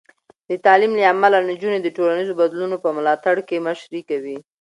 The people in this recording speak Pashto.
د تعلیم له امله، نجونې د ټولنیزو بدلونونو په ملاتړ کې مشري کوي.